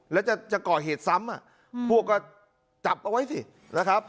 แล้วจะก่อเหตุซ้ำพวกก็จับเอาไว้สินะครับ